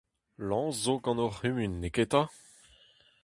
Lañs zo gant hor c'humun, neketa ?